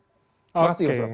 terima kasih ustaz